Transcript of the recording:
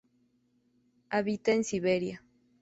Habita en Siberia.